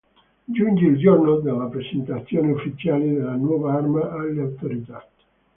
Giunge il giorno della presentazione ufficiale della nuova arma alle autorità.